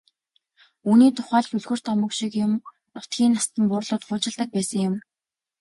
Үүний тухай л үлгэр домог шиг юм нутгийн настан буурлууд хуучилдаг байсан юм.